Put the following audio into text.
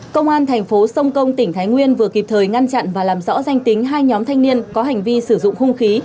công an thành phố sông công tỉnh thái nguyên vừa kịp thời ngăn chặn và làm rõ danh tính hai nhóm thanh niên có hành vi sử dụng hung khí